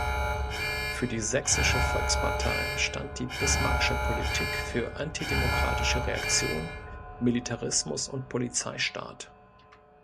Für die sächsische Volkspartei stand die Bismarck´sche Politik für antidemokratische Reaktion, Militarismus und Polizeistaat.